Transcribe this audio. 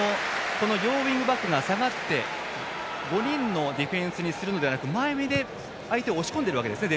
両ウイングバックが下がって５人のディフェンスにするのではなく前で相手を押し込んでいるわけですね